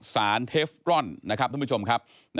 เทฟกรอนนะครับท่านผู้ชมครับ